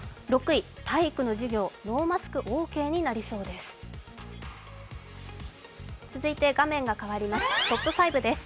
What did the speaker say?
６位、体育の授業、ノーマスク、オーケーになりそうです。